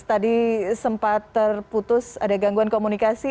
tadi sempat terputus ada gangguan komunikasi